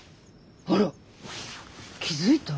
あら気付いた？